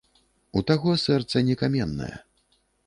У таго сэрца не каменнае.